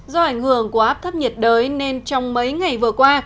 do ảnh hưởng của áp thấp nhiệt đới nên trong mấy ngày vừa qua